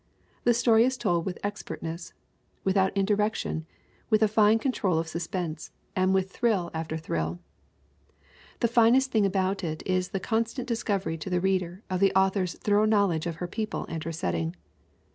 The story is told with expertness, without indirec tion, with a fine control of suspense and with thrill 290 THE WOMEN WHO MAKE OUR NOVELS after thrill. The finest thing about it is the constant discovery to the reader of the author* s thorough knowledge of her people and her setting.